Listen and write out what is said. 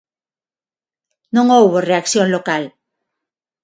Non houbo reacción local.